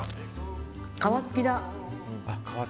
皮付きだ。